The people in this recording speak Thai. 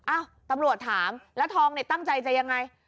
อ้าวตำรวจถามแล้วทองเนี่ยตั้งใจจะยังไง